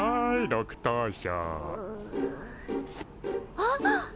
あっ！